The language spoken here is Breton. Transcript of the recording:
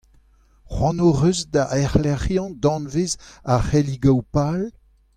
Cʼhoant hocʼh eus da erlecʼhiañ danvez ar cʼhelligoù pal?